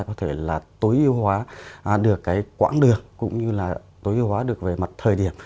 có thể là tối ưu hóa được cái quãng đường cũng như là tối ưu hóa được về mặt thời điểm